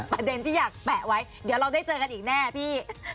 ประเด็นที่อยากแปะไว้เดี๋ยวเราได้เจอกันอีกแน่พี่